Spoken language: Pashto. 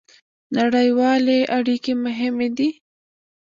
نړیوالې اړیکې مهمې دي